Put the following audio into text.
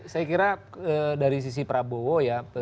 saya kira dari sisi prabowo ya